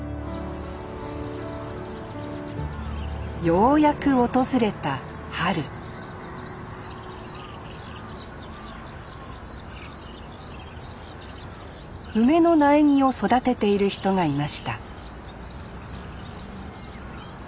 ようやく訪れた春梅の苗木を育てている人がいました